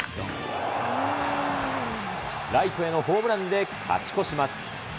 ライトへのホームランで勝ち越します。